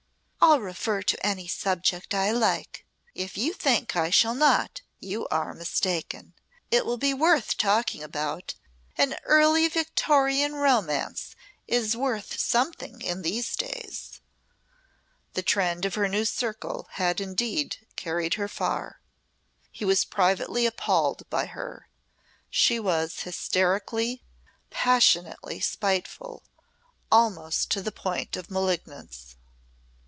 "I'll refer to any subject I like. If you think I shall not you are mistaken. It will be worth talking about. An Early Victorian romance is worth something in these days." The trend of her new circle had indeed carried her far. He was privately appalled by her. She was hysterically, passionately spiteful almost to the point of malignance.